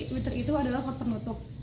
witir itu adalah waktu nutup